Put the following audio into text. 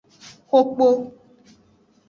Xo kpo.